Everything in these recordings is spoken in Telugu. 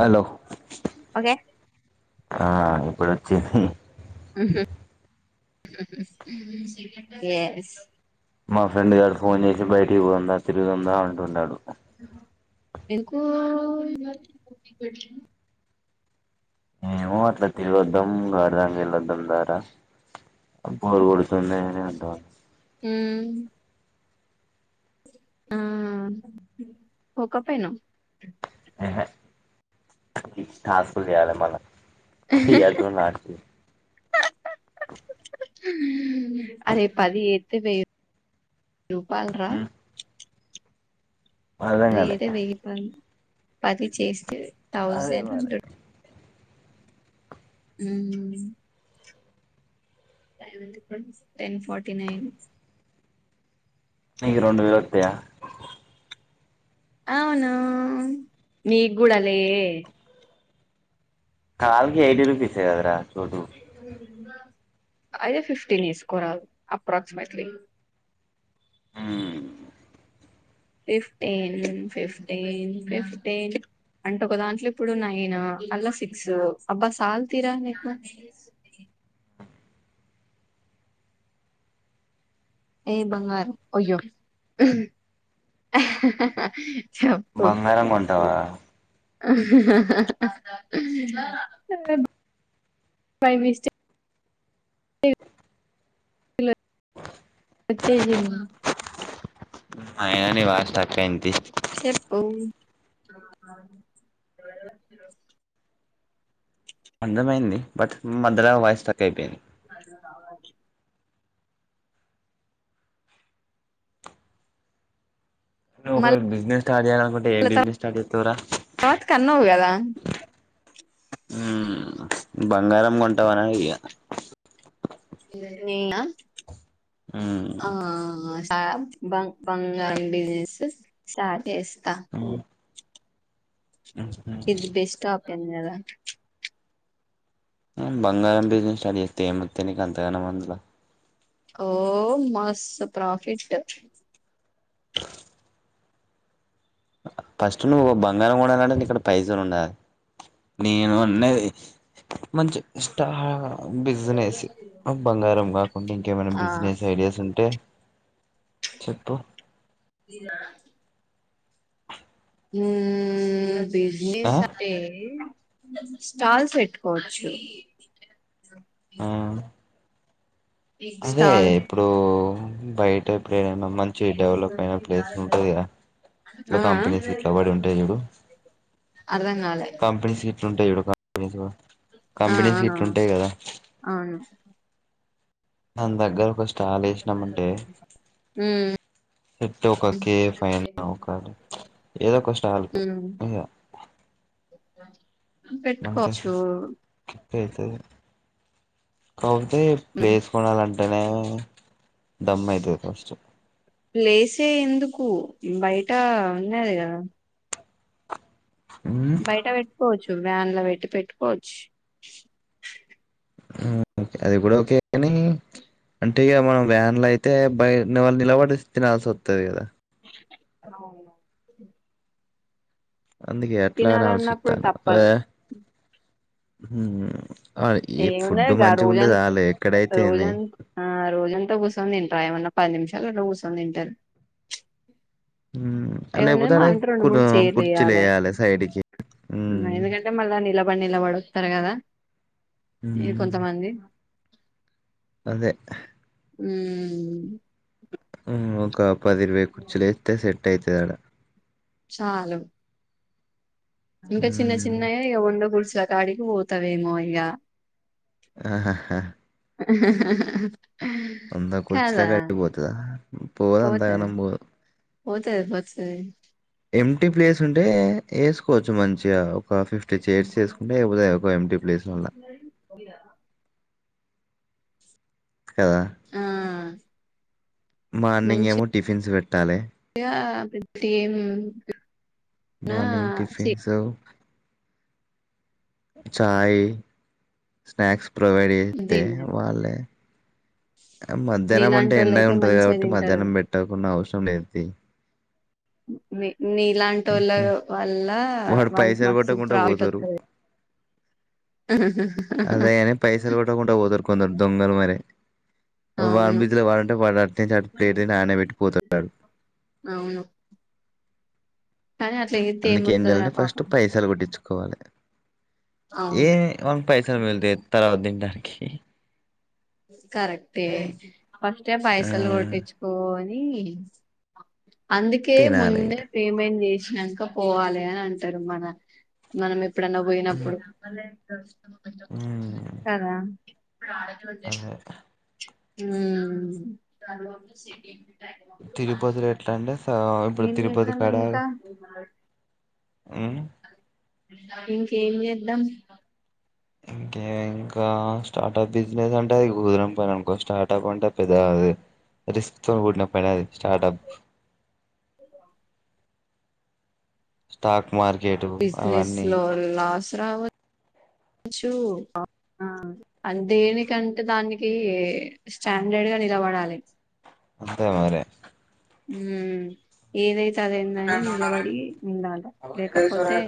హలో ఓకే ఆ ఇప్పుడు వచ్చింది మ్మ్ హ్మ్ ఏం మా ఫ్రెండ్ గాడు ఫోన్ చేసి బయటికి పోదాం రా తిరుగుందాం అంటుంటడు ఎందుకు ఏమో అట్లా తిరుగు వాద్దం అర్దంగా వెళ్ళి వాద్దం ధారా బోరు కొడుతుంది అ ఉంట మ్మ్ మ్మ్ ఒక కప్పను అహే టాస్క్లు చేయలే మల్లా అతియతోనాక్ అరే పది ఏత్ వే రూపాలరా అర్థం పది కాలే ఏదో వెయ్యిపోను పది చేస్తే అదే థౌజండ్ మరి హండ్రెడ్ హ్మ్ వ టెన్ ఫర్టీ నైన్ మీకు రెండు వేలు వస్తాయా అవును నీకు కూడా లే కల్కి ఎయిటి రుపీస్ ఏ కథ రా చోటు అయితే ఫిఫ్టీన్ స్కో అప్రాక్సిమేట్లీ మ్మ్ ఫిఫటీన్ ఫిఫటీన్ ఫిఫటీన్ అంటే ఒక దాంట్లో ఇప్పుడు నైన్ అల్లా సిక్స్ అబ్బా సాలు తీరా నీకు ఏ బంగారు అయ్యో చెప్పు బంగారం అంటావా బై మిస్టేక్ వచ్చేసింది అయినా నీ వాయిస్ స్ట్రక్ అయింది చెప్పు ఆ అర్ధంమైంది బట్ మధ్యల వాయిస్ స్టక్ అయిపోయింది అ అ నువ్ మళ్ళ ఒకవేళ బిజినెస్ స్టార్ట్ చేయ్యాలినుకుంటే ఏం బిజినెస్ స్టార్ట్ చేస్తావురా ఫుడ్ మీద హ్మ్ బంగారంం కొంటవనా ఏందీ ఇగ నేనా ఆ ఆ ఆ ఆ బంగ్ బంగారం బిజినెస్ స్టార్ట్ చేసి ఓ ఇది బెస్ట ఆప్షన్ కదా బంగారం బిజినెస్ స్టార్ట్ చేస్తే ఏమస్తే నకు అంతగానం మందులో ఓ మస్తు ప్రాఫిట్ ఫస్ట్ నువ్వు బంగారం కూడాండాలంటేే ఇక్కడ పైసలు ఉండాలి నేను అన్నది మంచి ఇష్ట బిజినెస్ బంగారం కాకుండా ఇంకేమైనా బిజినెస్ ఐడియాస్ ఉంటే చెప్పు ఇదా మ్మ్మ్మ్ ఆ బిజనిస్ అంటే స్టాల్స్ పెట్టుకోవచ్చు ఆ అదే స్టాల్ ఇప్పుడూ బయట ఏదైనా మంచి డెవలప్ అయిన ప్లేస్ ఉంటది గదా నా ఆ ఆ కంపెనీ సీట్లబడి ఉంటై జుడు అర్ధం కాలే కంపెనీ సీట్లుంటై జుడు ఆ కంపేనీ ట్ల ఆ ఉంటాయి కదా అవును దాన్దగ్గర ఒక స్టల్ ఏష్నమంటే ఉమ్ పెట్టి ఒక కే ఎఫ్ ఫైన ఒక ఏదొక స్టాల్కు ఉ పెట్టుకోచ్చూ కెయితది కాపొతే ఉమ్. ప్లేసు కొనాలంటనే దమ్ అయితది ఫస్ట్ ప్లేసే ఎందుకూ బయటా ఉన్నది కదా ఉమ్ బయట పెట్కోవచ్చు వ్యాన్ల పెట్టి పెట్టుకోవచ్చు ష్ [inaudible] అది గూడా ఓకే కనీ అంటే ఇక మనం వ్యాన్లయితే బయట వాళ్ళు నిలబడి తినాల్సొత్తది గద అవును అందుకే ఎట్లాని తినాలన్నప్పుడు ఆలోషిత్తాన్న వే తప్పదు ఊ ఏమున్నదిగా రోజంత్ ఎక్కడైతే ఏంది రోజం ఆ రోజంత కూసు సోన్ తింట్రా ఏమన్నా పది నిమిషాలట్ల కూర్సోన్ దింటరు హ్మ్. ఏమున్నది లేపోతే మా ఆడ అంటె రెండు కుడు మూడు చేర్లేయ్యాలె కుర్చీలేయాలి సైడ్‌కి. హ్మ్. ఎందుకంటే మళ్ళా నిలబడి నిలబడు తరు గద ఈ హ్మ్. కొంతమంది అదే అహ్ మ్మ్మ్మ్ ఒక పదిరవై కుర్చులేత్తె సెట్ అయితదాడ చాలు ఇంక చిన్న హ్మ్. చిన్నయే ఇగ వంద కుర్చీల కాడికి పోతవేమో ఇగ ఆహ హ్హా అహ్ హ హా వంద కుర్చీలకడికి పోతదా పోతది పోదంతగనం బోదు పోతది పోతది టీ ప్లేసుంటే ఏసుకోవచ్చు మంచిగా ఒక ఫిఫ్టీ చైర్స్ ఏసుకుంటే అయిపోతది గద ఒక ఎమ్ టీ ప్లేస్లల్ల కదా ఆ మార్నింగ్ ఏమో టిఫిన్స్ పెట్టాలె ఆ పెట్టీ అమ్మ్ మార్నింగ్ టిఫిన్సూ చాయ్ స్నాక్స్ ప్రొవైడ్ జేత్తే తిన్నారు వాళ్ళే మధ్యాహ్నం అంటె నీలాంటోళ్ళు ఎండే అయితే ఉంటది మంచిగా కాబట్టి తింటారు మధ్యాహ్నం పెట్టకున్న అవసరం లేద్ తీ మీ నీ ఇలాంటోళ్ళ వల్ల వాడు వానికి పైసలు మస్తు కొట్టకుండా ప్రాఫిట్ పోతారు వత్తది అదే గని పైసలు కొట్టకుంట పోతరు కొందరు దొంగలు మరి వాని అవును బిజిల వాడంటే వాడు అట్నించి అటు ప్లేట్ తిని ఆన్నే పెట్టిపోత ఆడు అవును కానీ అట్లా చ్హ్ చేత్తే అందుకే ఏం ఏమొత్తదిరా జేయాలంటే ఫస్ట్ పాపం పైసలు కొట్టిచ్చు కోవాలె ఏ అవును వాని పైసలు పొయినట్టు చెత్తానవ్ ఆనికీ కరెక్టే ఫస్ట్ ఆ పైసాలు కొటి ఇచ్చకో అందుకే తినాలి ముందే పేమెంట్ చేసి ఇక పోవాలి అని అంటారు మన మనం ఎప్పుడన్నా పోయినప్పుడు ఉమ్, కదా అదే ఉ తిరుపతిల ఎట్లా అంటే ఇప్పుడు ఏం తిరుపతి చేద్దాం కడ ఇంకా ఆ ఇంకేం చేద్దాం ఇంకే ఇంకా స్టార్టప్ బిజినెస్ అంటే అది గోదరం పైన అనుకో స్టార్టప్ అంటే పెద్ద రిస్క్ తో కూడిన పైనది startup stock market business అవన్నీ లో లాస్ రావదు చు దేనికంటే దానికి స్టాండర్డ్ గా నిలబడాలి అంతే మరి ఉ ఏదైతే అయితది నిలబడి ఉండాలి లేకపోతే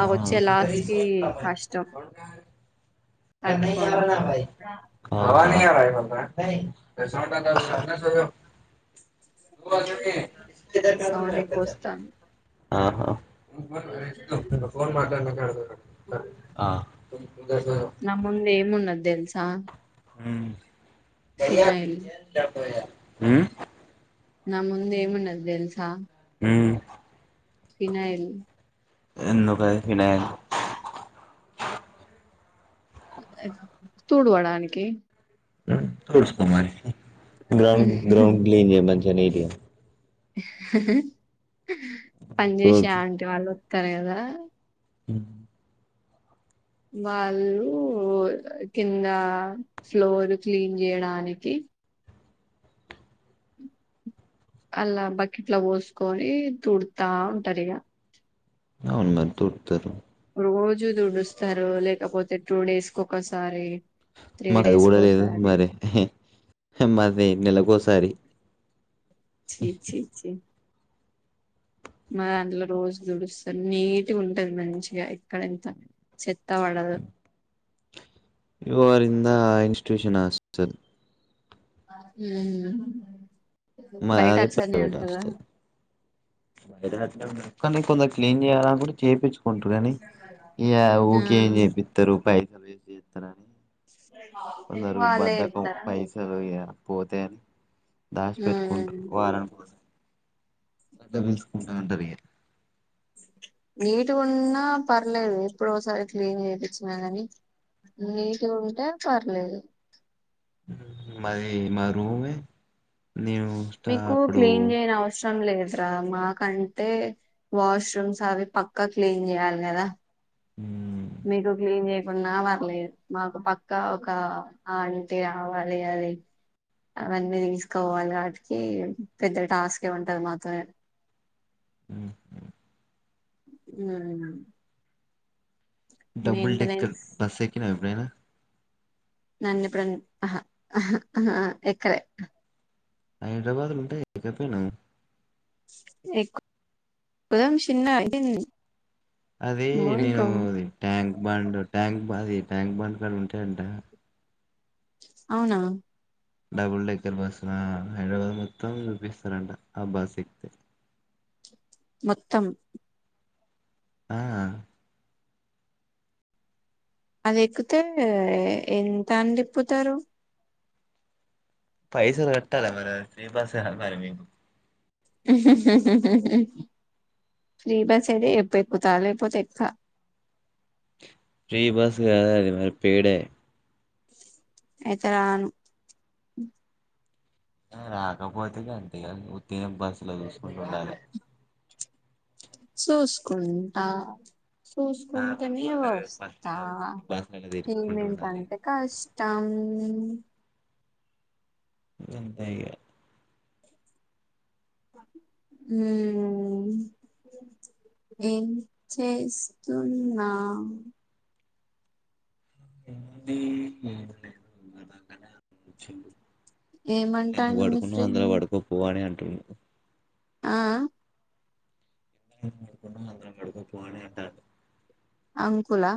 ఆ వచ్చే లాస్ కి కష్టం ఆహా [unintelligible] తట్టుకోవడం సౌండ్ ఎక్కువ వస్తాంది [unintelligible] ఆహా ఆ ముంద ఏమున్నది తెలుసా ఫినాయిల్ [unintelligible] నా ముందు ఏమన్నాది ఓ తేలుసా ఉ ఫినైల్ ఎందుక అది ఫినాయిల్ తుడవడానికి చకో మరి గండ్ గండ్ క్లీ చే మషడి పని చేసా రోడ్ అంటి వాళ్ళు వస్తారు కదా ఆ వాళ్ళు కింద ఫ్లోర్ క్లీన్ చేయడానికి అలా బకెట్ లో పోసుకొని తుడతా ఉంటారు ఇక అవును మరి దడుతారు రోజు తుడుస్తారు లేకపోతే టూ డేస్ కి ఒక్కసారి మాక్ అది కూడా లేదు మరి మరి నెలకోసారి చి చి చి మా దాంట్లో రోజు దుడుస్తారు నీట్గా ఉంటది మంచిగా ఇక్కడ ఎంత చెత్త వాడదు ఇ అరింద ఇన్స్టిట్యూషన్ హాస్టల్ అ మ అది ప్రైవేట్ హస్టల్ కానీ కొంత క్లీన్ చేయాల కూడా చేయించుకుంటారు కాగానీ ఇ ఆ ఓకే అని చేపిస్తారు ప చ వేసి ఇస్తారన కొందరు వాళ్ళే బద్దకం చెప్తారా పైసలు పోతే దాసి ఉమ్ పెట్టుకుంటారు వారని కోసం గడ్డ తీసుకుంటా ఉంటారు మీ నీట్ గున్నా పర్లేదు ఎప్పుడో ఓసారి క్లీన్ చేపిచ్చినా కాని నీట్ గుంటే పర్లేదు మ్మ్ మది మా రూమే నేను స్టా మీకు అప్పుడు క్లీన్ చేయడం వస్ లేదురా మాకంటే వాష్రూమ్స్ అవి పక్కా క్లీన్ చేయాలి కదా మ్మ్ మీకు క్లీన్ చేయకున్నా పర్లేదు మాకు పక్కా ఒక ఆంటీ అవాలి కదా టైమ్ అవన్నీ తీసుకోవాలి కాబట్టి పెద్ద టాస్కే ఉంటది మాకే మ్మ్ హ్మ్ మ్మ్ అవున డబుల్ డెక్కర్ బస్ ఎక్కినావ ఎపుడైన నన్ ఎప్పుడన్ ఆహ ఆహ ఎక్కలే హైదరాబాద్ లో ఉంటాయ ఇకపోయినా ఎక్ దామ్ చిన్నగా అయింది అదే నేను ట్యాంక్ బండ్ ట్యాంక్ బా ట్యాంక్ బాండ్ కడ ఉంటాయంట అవునా డబుల్ డెక్కర్ బస హైదరాబాద్ మొత్తం చూపిస్తారంట ఆ బస్ ఎక్తే మొత్తం ఆ అది ఎక్కితే ఎంతని తిప్పుతారు పైసలు కట్టతామను ఫ్రీ బస్ అయిన మేము ఫ్రీ బస్ అయితే చెప్పు ఎక్కుతా లేపోతే ఎక్క ప్రీ బస్ గాదదు మే పీడే అయితే రాను రాకపోతే గంతే ఇగా ఉత్తనే బస్సులో చూసుకుంటా ఉండాలి చూసుకుంటా నార్మల్ చూసుకుంటనే పల్లె వస్తా బస్టాండ్ సిటీ బస్టాండ్ తిరుక్కుంటూ పేమెంట్ ఉండాలి అంటే కస్ట్ టమ్ ఇంగ్ అంతే ఇగ మ్మ్ ఏం చేస్తున్నామ్ ఏంది కూడా అక్కడ కూర్చుండు ఎందుకు ఏమంటాండు మీ పడుకున్నావు అందులో ఫ్రెండ్ పడుకోపో అని అంటుండు ఆ ఏమనుకుండా అందరం పడుకొపో అని అన్నారు అంకులా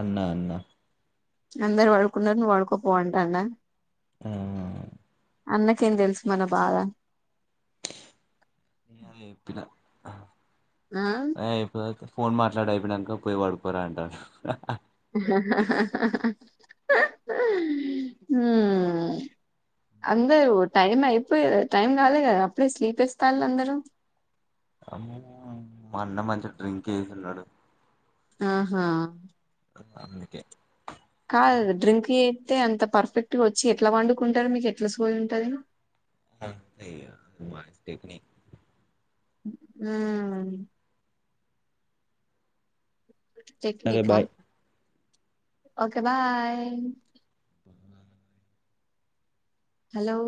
అన్న అన్న అందరు వడుకున్నారు నువ్ వడుకో పో అంటుందా ఆ అన్నకేం తెలుసు మన బాధ నే అదే చెప్పిన ఆ ఏ పో ఇకా ఫోన్ మాట్లాడయిపోయినంక పోయి పడుకోరా అంటారు అందరు టైం అయిపోయి కదా టైం రాలేదు కదా అప్పుడే స్లీప్ వేస్తాల్లా అందరు అమ్మో మా అన్న మంచిగా డ్రింక్ వేసున్నాడు ఆహా అందికే కాదు డ్రింక్ చేతే అంత పర్ఫెక్ట్గా వచ్చి ఎట్లా పండుకుంటారు మీకు ఎట్లా సూజ ఉంటుంది [inaudible] ఆ సరే టెక్నిక బాయ్ ఒకే బాయ్ హలో